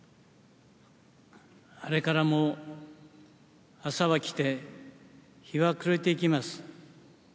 あれからも朝は来て、日は暮れていきます。